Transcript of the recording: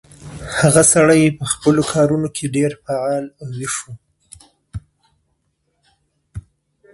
هغه سړی په خپلو کارونو کي ډېر فعال او ویښ و.